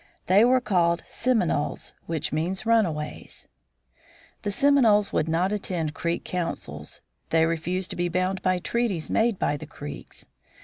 They were called Seminoles, which means runaways. The Seminoles would not attend Creek councils. They refused to be bound by treaties made by the Creeks.